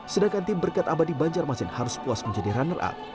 sedangkan tim berkat abadi banjarmasin harus puas menjadi runner up